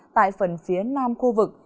tại phần phía nam khu vực